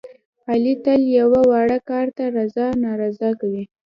علي تل یوه واړه کار ته رضا نارضا کوي.